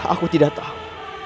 aku tidak tahu